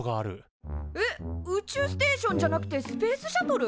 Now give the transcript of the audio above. えっ宇宙ステーションじゃなくてスペースシャトル？